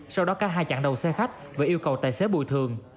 sau đó cả hai chặn đầu xe khách và yêu cầu tài xế bùi thường